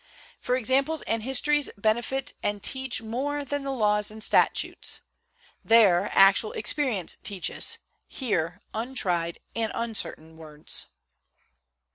For examples and histories benefit and teach more than the laws and statutes: there actual experience teaches, here untried and uncertain words.